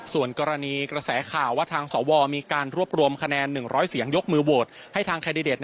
ส่วนกรณีกระแสข่าวว่าทางสวมีการรวบรวมคะแนน๑๐๐เสียงยกมือโหวตให้ทางแคนดิเดต